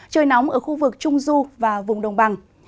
trời nóng ở khu vực trung du và vùng đồng bằng